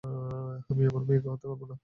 আমি আমার মেয়েকে হত্যা করব না।